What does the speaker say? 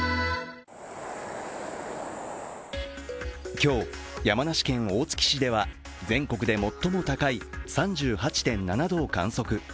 今日、山梨県大月市では全国で最も高い３８．７度を観測。